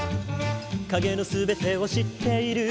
「影の全てを知っている」